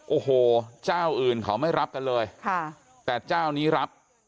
โอ้โหเจ้าอื่นเขาไม่รับกันเลยค่ะแต่เจ้านี้รับ